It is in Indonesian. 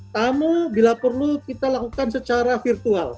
tama bila perlu kita lakukan secara virtual